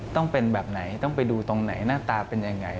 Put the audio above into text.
ต้องเป็นแบบไหนต้องไปดูตรงไหนหน้าตาเป็นยังไง